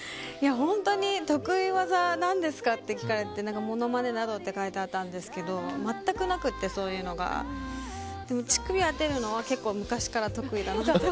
得意技何ですかって聞かれてものまねなどって書いてあったんですけど全くなくてそういうのが乳首当てるのは昔から得意だなって。